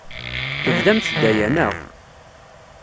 Tebdamt-d aya, naɣ?